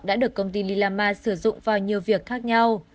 đã được công ty lilama sử dụng vào nhiều việc khác nhau